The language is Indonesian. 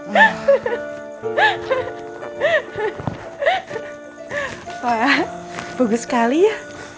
wah bagus sekali ya